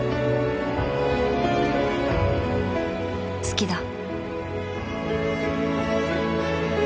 好きだ